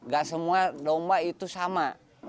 gak semua domba itu sama